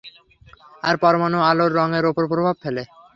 আর পরমাণু আলোর রঙের ওপর প্রভাব ফেলে।